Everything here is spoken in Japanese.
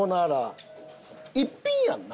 １品やんな。